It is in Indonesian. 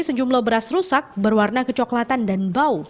sejumlah beras rusak berwarna kecoklatan dan bau